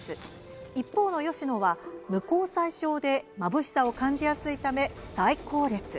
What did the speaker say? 一方の芳乃は無虹彩症でまぶしさを感じやすいため最後列。